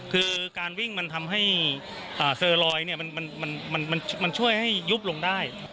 คือการวิ่งมันทำให้เซอร์ลอยมันช่วยให้ยุบลงได้ครับ